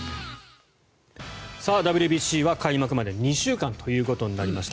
ＷＢＣは開幕まで２週間となりました。